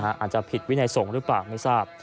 อาจจะผิดวินัยสงฆ์หรือเปล่าไม่ทราบ